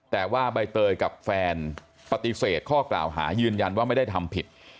แต่ว่าใบเตยกับแฟนปฏิเสธข้อกล่าวหายืนยันว่าไม่ได้ทำผิด